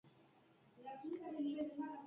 Balio handiko hiru puntu daude jokoan.